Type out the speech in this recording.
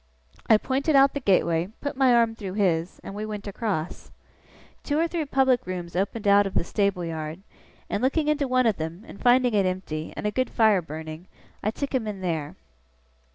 I pointed out the gateway, put my arm through his, and we went across. Two or three public rooms opened out of the stable yard; and looking into one of them, and finding it empty, and a good fire burning, I took him in there.